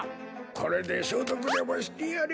これで消毒でもしてやれ。